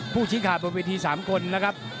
ผู้ชิงขาดบนพิธี๓คนนะครับ